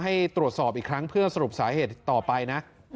ให้ตรวจสอบอีกครั้งเพื่อสรุปสาเหตุต่อไปนะ